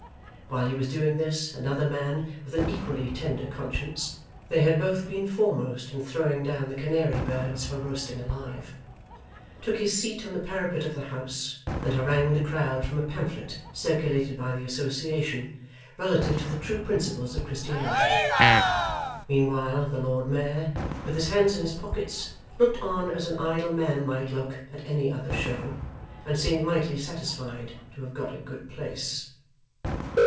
While he was doing this, another man with an equally tender conscience (they had both been foremost in throwing down the canary birds for roasting alive), took his seat on the parapet of the house, and harangued the crowd from a pamphlet circulated by the Association, relative to the true principles of Christianity! Meanwhile the Lord Mayor, with his hands in his pockets, looked on as an idle man might look at any other show, and seemed mightily satisfied to have got a good place.